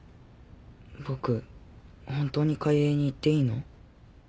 僕本当に開瑛に行っていいの？